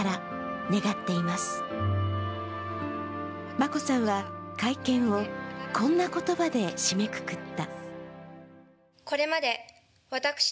眞子さんは会見をこんな言葉で締めくくった。